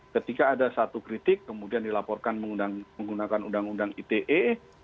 ketika ada satu kritik kemudian dilaporkan menggunakan undang undang ite